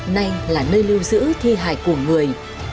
nay là nơi lưu giữ thi hải của nước